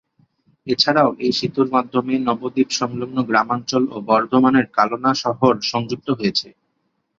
এছাড়াও এই সেতুর মাধ্যমে নবদ্বীপ-সংলগ্ন গ্রামাঞ্চল ও বর্ধমানের কালনা শহর সংযুক্ত হয়েছে।